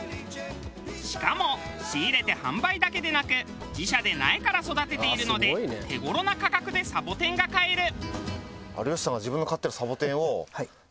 しかも仕入れて販売だけでなく自社で苗から育てているので手頃な価格でサボテンが買える。